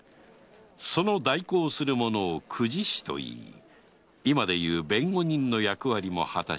その代行をする者を公事師といい今でいう弁護人の役割もはたしていた